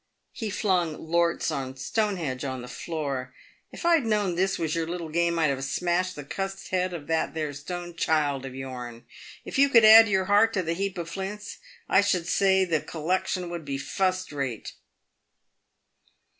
'" He flung " Lorts on Stonehenge" on the floor. " If I'd known this was your little game, I'd have smashed the cussed head of that there stone child of yourn. If you could add your heart to the heap of flints, I should say the collecshun would be fust rate."